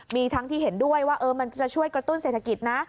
มีทั้งที่เห็นด้วยว่ามันจะช่วยกระตุ้นเศรษฐกิจนะ